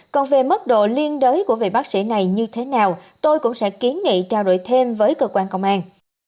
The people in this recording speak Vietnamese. còn về mức độ liên đới của vị bác sĩ này như thế nào tôi cũng sẽ kiến nghị trao đổi thêm với cơ quan công an